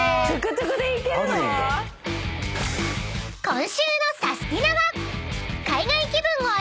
［今週の『サスティな！』は］